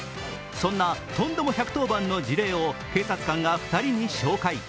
そんなトンデモ１１０番の事例を警察官が２人に紹介。